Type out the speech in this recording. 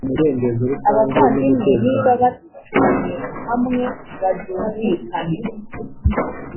abavandimwe niba batuye hamwe bazumvikane,